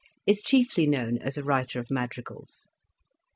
is chiefly known as a writer of madrigals.